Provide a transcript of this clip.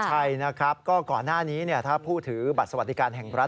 ใช่นะครับก็ก่อนหน้านี้ถ้าผู้ถือบัตรสวัสดิการแห่งรัฐ